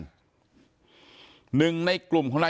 ก็ได้รู้สึกว่ามันกลายเป้าหมาย